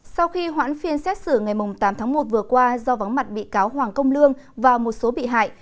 sau khi hoãn phiên xét xử ngày tám tháng một vừa qua do vắng mặt bị cáo hoàng công lương và một số bị hại